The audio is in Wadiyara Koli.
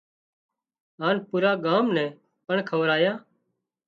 هانَ پُورا ڳام نين پڻ کورايان